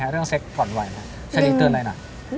เรื่องเซ็กก่อนวัยชะนีเตือนอะไรนะ